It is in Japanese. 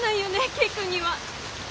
景君には。